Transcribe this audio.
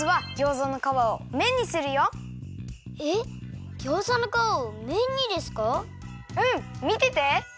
うんみてて。